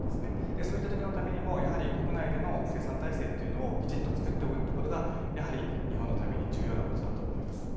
そういったときのためにも国内での生産体制というのをきちっと作っておくということがやはり日本のために重要なことだと思います。